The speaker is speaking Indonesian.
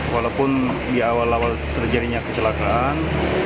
walaupun di awal awal terjadinya kecelakaan